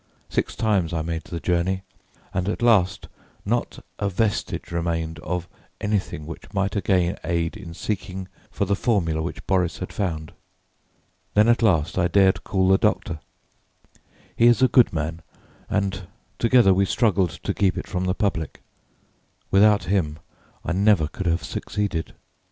Six times I made the journey, and at last, not a vestige remained of anything which might again aid in seeking for the formula which Boris had found. Then at last I dared call the doctor. He is a good man, and together we struggled to keep it from the public. Without him I never could have succeeded.